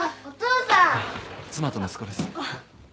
妻と息子です。